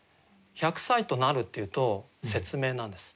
「百歳となる」っていうと説明なんです。